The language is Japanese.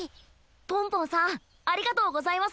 ポンポンさんありがとうございます。